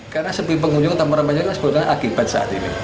karena sepi pengunjung taman ramadhan itu sebetulnya akibat saat ini